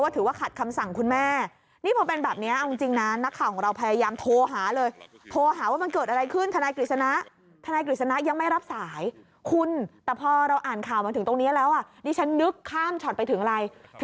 ถามมาถึงตรงนี้แล้วนี่ฉันนึกข้ามช็อตไปถึงอะไร